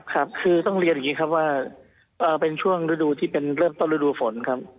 ครับคือต้องเรียนอย่างนี้ครับว่าเป็นช่วงฤดูที่เป็นเริ่มต้นฤดูฝนครับ